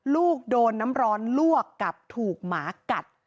ลูกโดนน้ำร้อนลวกกับถูกหมากัด